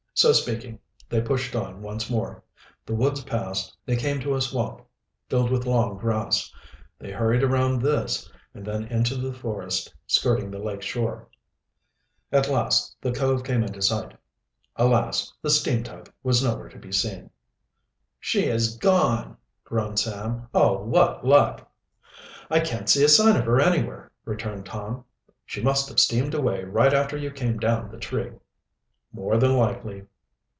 So speaking, they pushed on once more. The woods passed, they came to a swamp filled with long grass. They hurried around this, and then into the forest skirting the lake shore. At last the cove came into sight. Alas! the steam tug was nowhere to be seen. "She has gone!" groaned Sam. "Oh, what luck! "I can't see a sign of her anywhere?" returned Tom. "She must have steamed away right after you came down the tree." "More than likely."